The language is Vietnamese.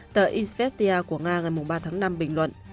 tờ istia của nga ngày ba tháng năm bình luận